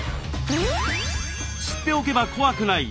知っておけば怖くない。